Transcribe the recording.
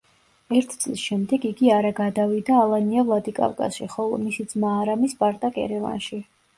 ერთი წლის შემდეგ, იგი არა გადავიდა ალანია ვლადიკავკაზში, ხოლო მისი ძმა არამი სპარტაკ ერევანში.